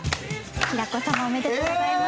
平子様おめでとうございます。